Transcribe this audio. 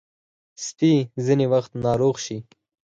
سپي ځینې وخت ناروغ شي.